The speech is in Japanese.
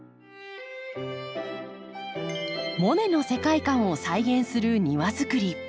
モネの世界観を再現する庭づくり。